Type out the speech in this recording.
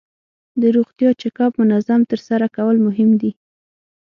د روغتیا چک اپ منظم ترسره کول مهم دي.